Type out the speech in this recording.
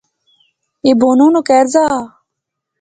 اے بانو نا کہر زا